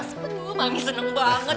aduh mami seneng banget